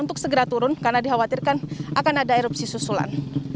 untuk menurunkan kawasan yang menurun karena dikhawatirkan akan ada erupsi susulan